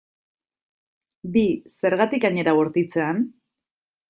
Bi, zergatik hain era bortitzean?